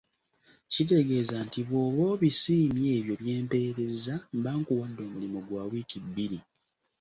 Kitegeeza nti bw'oba obisiimye ebyo bye mpeerezza, mba nkuwadde omulimu gwa wiiki bbiri.